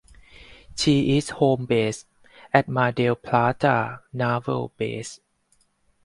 She is home based at Mar del Plata naval base.